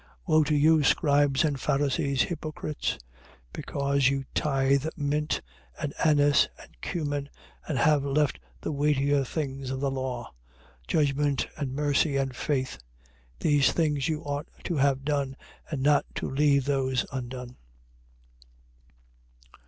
23:23. Woe to you, scribes and Pharisees, hypocrites; because you tithe mint and anise and cummin and have left the weightier things of the law: judgment and mercy and faith. These things you ought to have done and not to leave those undone.